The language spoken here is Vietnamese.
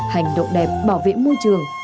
hành động đẹp bảo vệ môi trường